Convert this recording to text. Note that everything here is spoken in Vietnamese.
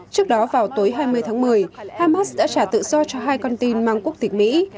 trước đó vào tối hai mươi tháng một mươi hamas đã trả tự do cho hai con tin mang quốc tịch mỹ